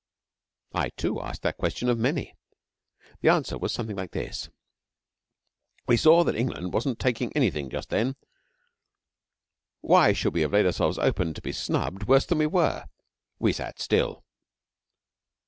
I, too, asked that question of many. The answer was something like this: 'We saw that England wasn't taking anything just then. Why should we have laid ourselves open to be snubbed worse than we were? We sat still.'